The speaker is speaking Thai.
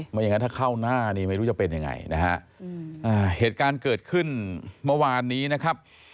อย่างนั้นถ้าเข้าหน้านี่ไม่รู้จะเป็นยังไงนะฮะเหตุการณ์เกิดขึ้นเมื่อวานนี้นะครับ